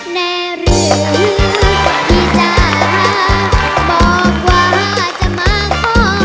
แน่เรื่องที่จ้าบอกว่าจะมาค่อย